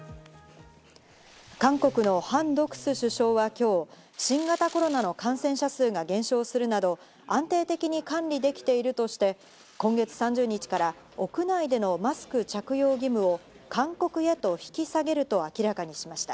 韓国のハン・ドクス首相は今日、新型コロナの感染者数が減少するなど安定的に管理できているとして、今月３０日から屋内でのマスク着用義務を勧告へと引き下げると明らかにしました。